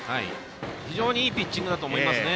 非常にいいピッチングだと思いますね。